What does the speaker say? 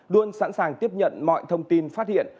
luôn sẵn sàng tiếp nhận mọi thông tin phát hiện